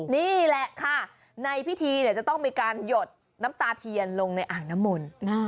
นี่แหละค่ะในพิธีจะต้องมีการหยดน้ำตาเทียนลงในอ่างน้ำมนต์